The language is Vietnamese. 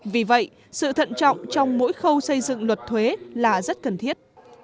vì vậy sự thận trọng trong mỗi khâu xây dựng luật thuế là rất cần thiết